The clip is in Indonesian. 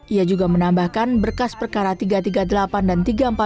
ia juga menambahkan berkas perkara tiga ratus tiga puluh delapan dan tiga ratus empat puluh